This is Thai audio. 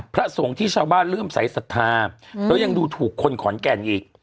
พระสงฆ์ที่ชาวบ้านเริ่มใส่ศรัทธาแล้วยังดูถูกคนขอนแก่นอีก